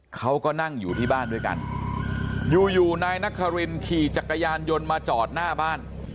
เขาก็นั่งอยู่ที่บ้านด้วยกันอยู่อยู่นายนครินขี่จักรยานยนต์มาจอดหน้าบ้าน